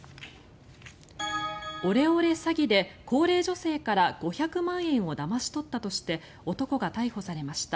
オレオレ詐欺で高齢女性から５００万円をだまし取ったとして男が逮捕されました。